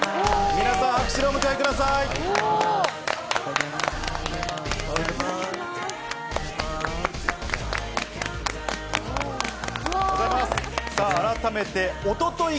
皆さん、拍手でお迎えください。